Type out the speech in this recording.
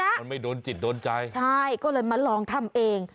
มันไม่โดนจิตโดนใจใช่ก็เลยมาลองทำเอง